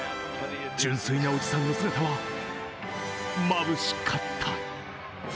純粋なおじさんの姿はまぶしかった。